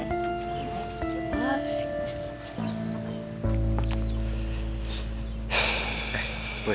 ulang tahun lo baik